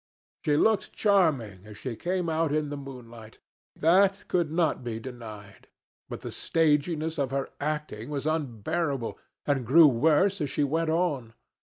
She looked charming as she came out in the moonlight. That could not be denied. But the staginess of her acting was unbearable, and grew worse as she went on.